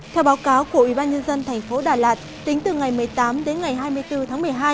theo báo cáo của ủy ban nhân dân thành phố đà lạt tính từ ngày một mươi tám đến ngày hai mươi bốn tháng một mươi hai